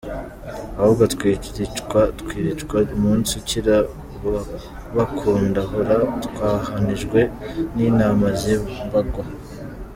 Ahubwo twiricwa umunsi ukira bakuduhōra, Twahwanijwe n’intama z’imbagwa.